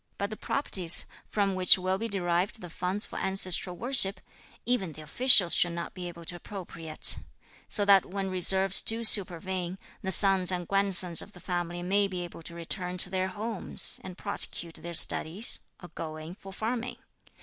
But the properties, from which will be derived the funds for ancestral worship, even the officials should not be able to appropriate, so that when reverses do supervene, the sons and grandsons of the family may be able to return to their homes, and prosecute their studies, or go in for farming.